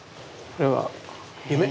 これは「夢」？